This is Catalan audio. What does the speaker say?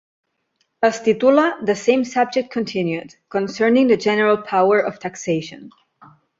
Es titula "The Same Subject Continued: Concerning the General Power of Taxation".